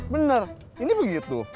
bener ini begitu